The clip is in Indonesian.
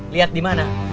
lihat di mana